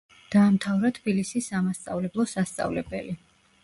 დაამთავრა თბილისის სამასწავლებლო სასწავლებელი.